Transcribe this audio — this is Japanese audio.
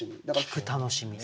聞く楽しみ。